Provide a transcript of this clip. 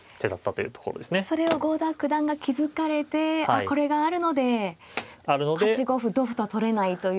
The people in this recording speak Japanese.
それを郷田九段が気付かれてこれがあるので８五歩同歩と取れないという。